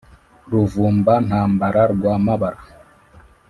ruvumba-ntambara rwa mabara,